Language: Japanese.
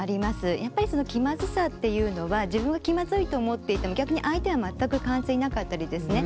やっぱり気まずさっていうのは自分が気まずいと思っていても逆に相手は全く感じていなかったりですね